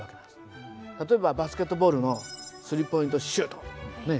例えばバスケットボールのスリーポイントシュートね。